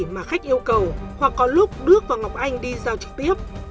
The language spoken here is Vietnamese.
mà khách yêu cầu hoặc có lúc đước và ngọc anh đi giao trực tiếp